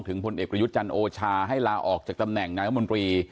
ถึงผลเอกศิษย์จันทร์โอชาให้ลาออกจากตำแหน่งณมรี